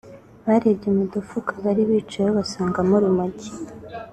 barebye mu dufuka bari bicayeho basangamo urumogi